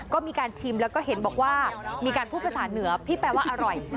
ก็มีการชิมแล้วก็เห็นบอกว่ามีการพูดภาษาเหนือพี่แปลว่าอร่อย